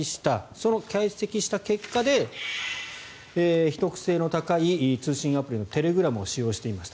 その解析した結果で秘匿性の高い通信アプリのテレグラムを使用していました。